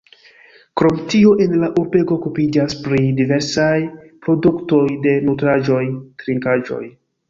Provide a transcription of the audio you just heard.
Krom tio en la urbego okupiĝas pri diversaj produktoj de nutraĵoj, trinkaĵoj.